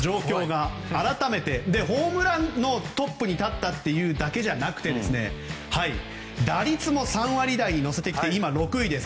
そしてホームランのトップに立っただけじゃなくて打率も３割台に乗せてきて今、６位です。